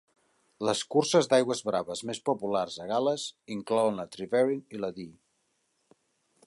Les curses d'aigües braves més populars a Gal·les inclouen la Tryweryn i la Dee.